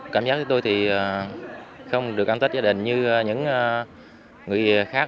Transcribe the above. cảm giác với tôi thì không được ăn tết gia đình như những người khác